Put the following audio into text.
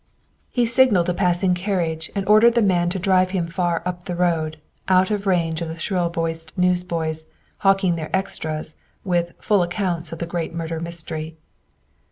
He signalled a passing carriage and ordered the man to drive him far "up the road," out of range of the shrill voiced newsboys, hawking their "extras," with "Full accounts of the great murder mystery."